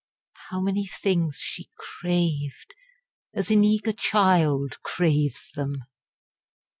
How many things she craved, as an eager child craves them!